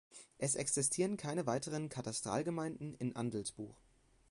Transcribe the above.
Es existieren keine weiteren Katastralgemeinden in Andelsbuch.